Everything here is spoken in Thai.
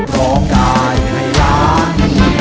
ร้องได้ให้ล้าน